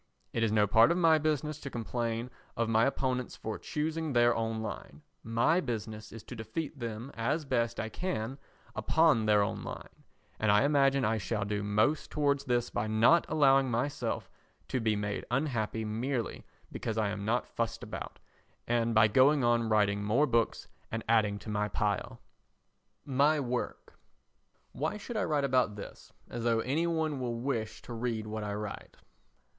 It is no part of my business to complain of my opponents for choosing their own line; my business is to defeat them as best I can upon their own line, and I imagine I shall do most towards this by not allowing myself to be made unhappy merely because I am not fussed about, and by going on writing more books and adding to my pile. My Work Why should I write about this as though any one will wish to read what I write?